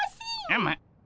うむ。